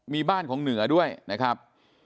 มีบ้านของเหนือด้วยนะครับ